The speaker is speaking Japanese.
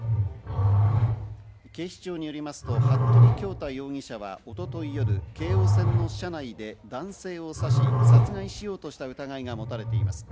警視庁によりますと服部恭太容疑者は一昨日夜、京王線の車内で男性を刺し、殺害しようとした疑いが持たれています。